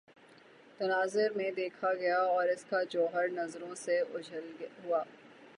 تناظرمیں دیکھا گیا اور اس کا جوہرنظروں سے اوجھل ہو